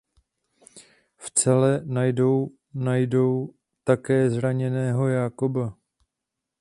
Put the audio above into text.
V cele najdou najdou také zraněného Jacoba.